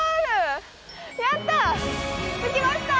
やった！